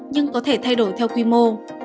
nhưng có thể thay đổi theo quy mô